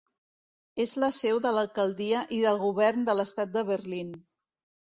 És la seu de l'alcaldia i del govern de l'Estat de Berlín.